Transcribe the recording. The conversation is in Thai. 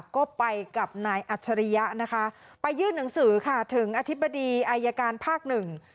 ก็ไปกับนายอัจฉริยะนะคะไปยื่นหนังสือค่ะถึงอธิบดีอายการภาคหนึ่ง